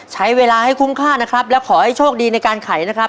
ใช้เวลาให้คุ้มค่านะครับและขอให้โชคดีในการไขนะครับ